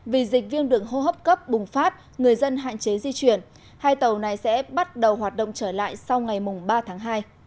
vì dịch viêm đường hô hấp cấp bùng phát người dân hạn chế di chuyển hai tàu này sẽ bắt đầu hoạt động trở lại sau ngày ba tháng hai